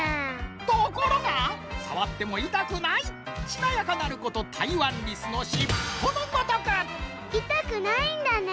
ところがさわってもいたくないしなやかなることたいわんリスのいたくないんだね。